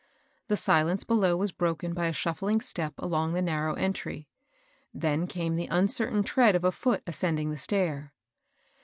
The silence below was broken by a shuffling step along the narrow entry ; then came the uncertain tread of a foot ascending the stair.